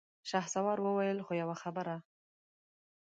شهسوار وويل: خو يوه خبره!